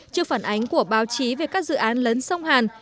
trước phản ánh của báo chí về các dự án lấn sông hàn